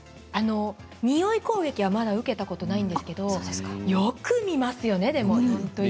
におい攻撃はまだ受けたことないんですけれどもよく見ますよね、今。